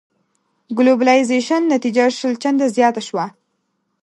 ګلوبلایزېشن نتيجه شل چنده زياته شوه.